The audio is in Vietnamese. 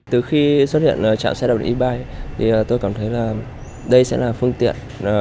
từ khi xuất hiện trạm xe đạp điện e bike tôi cảm thấy đây sẽ là phương tiện